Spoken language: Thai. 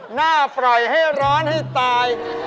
หน้าปล่อยให้ร้อนให้ตาย